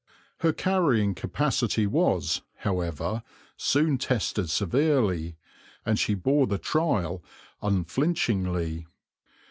Her carrying capacity was, however, soon tested severely, and she bore the trial unflinchingly.